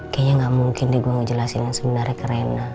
kayaknya gak mungkin nih gue ngejelasin yang sebenarnya ke rena